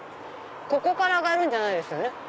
ここから上がるんじゃないですよね？